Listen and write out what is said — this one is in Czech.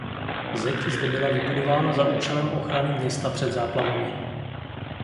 Zeď zde byla vybudována za účelem ochrany města před záplavami.